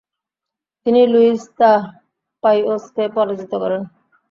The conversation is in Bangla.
তিনি লুইস দ্য পাইওসকে পরাজিত করেন।